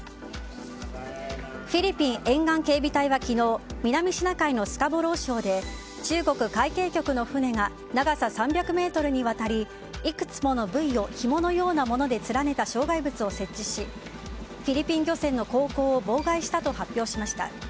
フィリピン沿岸警備隊は昨日南シナ海のスカボロー礁で中国海警局の船が長さ３００ｍにわたりいくつものブイをひものようなもので連ねた障害物を設置しフィリピン漁船の航行を妨害したと発表しました。